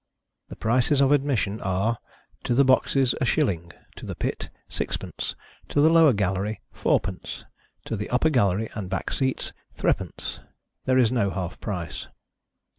The prices of admission are, to the boxes, a shilling; to the pit, sixpence; to the lower gallery, fourpence; to the upper gallery and back seats, threepence. There is no half price.